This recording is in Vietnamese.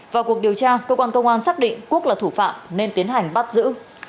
vào cuộc điều tra cơ quan công an xác định quốc là thủ phạm nên tiến hành bắt giữ